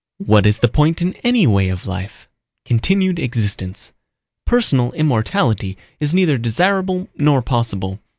"What is the point in any way of life? Continued existence. Personal immortality is neither desirable nor possible.